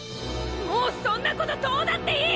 もうそんなことどうだっていい！